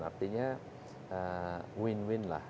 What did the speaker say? artinya win win lah